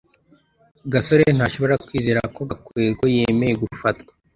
gasore ntashobora kwizera ko gakwego yemeye gufatwa